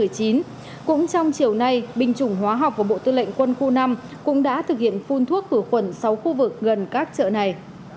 cũng trong chiều nay binh chủng hóa học của bộ tư lệnh quân khu năm cũng đã thực hiện phun thuốc khử khuẩn sáu khu vực gần các chợ này